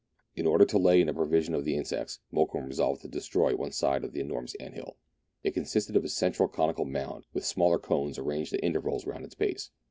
In order to lay in a provision of the insects, Mokoum resolved to destroy one side of the enormous ant hill. It consisted of a central conical mound, with smaller cones arranged at intervals round its base.